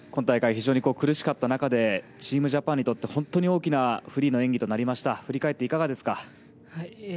非常に苦しかった中でチームジャパンにとって本当に大きなフリーの演技でした振り返っていかがですか？